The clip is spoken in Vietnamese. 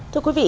thưa quý vị